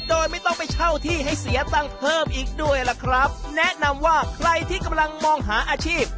โดยไม่ต้องไปเช่าที่ให้เสียตังค์เพิ่มอีกด้วยล่ะครับแนะนำว่าใครที่กำลังมองหาอาชีพ